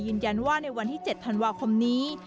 ยืนยันว่าในวันที่๗ธันวาคมนี้